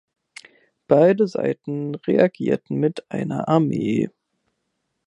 Beide Seiten reagierten mit einer Armee.